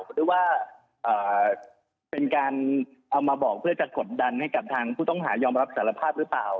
หรือว่าเป็นการเอามาบอกเพื่อจะกดดันให้กับทางผู้ต้องหายอมรับสารภาพหรือเปล่า